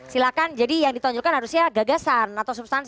silahkan jadi yang ditonjolkan harusnya gagasan